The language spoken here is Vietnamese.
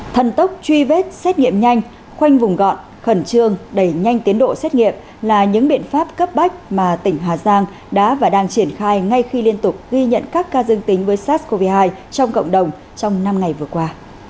thần tốc truy vết xét nghiệm nhanh khoanh vùng gọn khẩn trương đẩy nhanh tiến độ xét nghiệm là những biện pháp cấp bách mà tỉnh hà giang đã và đang triển khai ngay khi liên tục ghi nhận các ca dương tính với sars cov hai trong cộng đồng trong năm ngày vừa qua